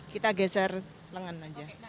kita geser lengan aja